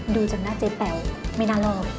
ดูจากหน้าเจ๊แป๋วไม่น่ารอด